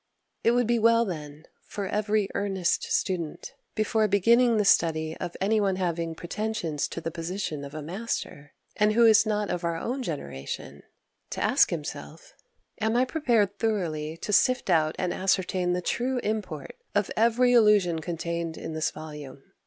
It would be well, then, for every earnest student, before beginning the study of any one having pretensions to the position of a master, and who is not of our own generation, to ask himself, "Am I prepared thoroughly to sift out and ascertain the true import of every allusion contained in this volume?"